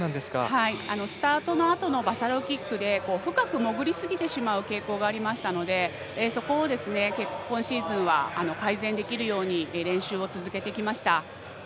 スタートのあとのバサロキックで深く潜りすぎてしまう傾向がありましたのでそこを今シーズンは改善できるように練習を続けてきました。